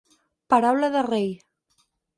Paraula de rei.